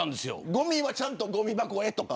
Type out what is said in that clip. ごみは、ちゃんとごみ箱へとか。